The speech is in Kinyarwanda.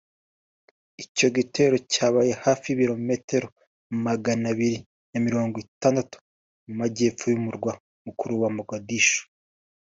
Icyo gitero cyabaye hafi y’ibilometero Magana abiri na mirongo itandatu mu mujyepfo y’umurwa mukuru wa Mogadisho